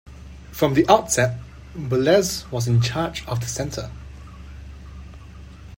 From the outset, Boulez was in charge of the centre.